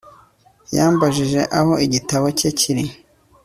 Yambajije aho igitabo cye kiri